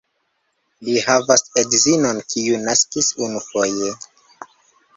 Li havas edzinon kiu naskis unufoje.